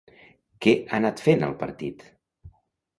Què anat fent al partit?